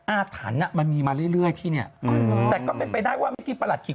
อาถรรพ์อ่ะมันมีมาเรื่อยที่เนี่ยแต่ก็เป็นไปได้ว่าเมื่อกี้ประหลัดขิก